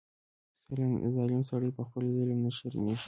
ظالم سړی په خپل ظلم نه شرمېږي.